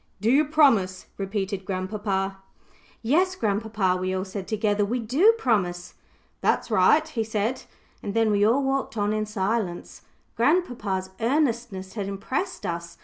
"Do you promise?" repeated grandpapa. "Yes, grandpapa," we all said together, "we do promise." "That's right," he said, and then we all walked on in silence. Grandpapa's earnestness had impressed us.